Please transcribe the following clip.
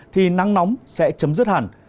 thì nắng nóng sẽ chấm dứt hẳn